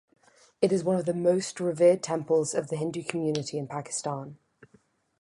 It is one of the most revered temples of the Hindu community in Pakistan.